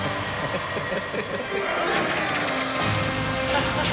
ハハハハ！